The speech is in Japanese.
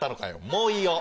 もういいよ。